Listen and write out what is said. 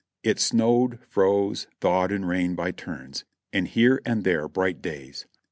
It snowed, froze, thawed and rained by turns, with here and there bright days.